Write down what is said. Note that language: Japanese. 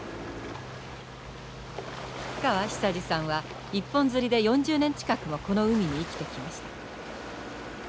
菊川久司さんは一本釣りで４０年近くもこの海に生きてきました。